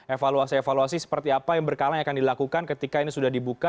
evaluasi evaluasi seperti apa yang berkala yang akan dilakukan ketika ini sudah dibuka